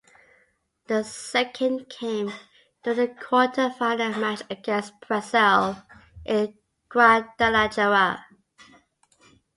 The second came during the quarter-final match against Brazil in Guadalajara.